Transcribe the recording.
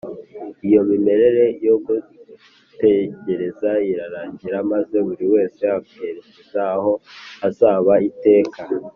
iyo mimerere yo gutegereza irarangira maze buri wese akerekeza aho azaba iteka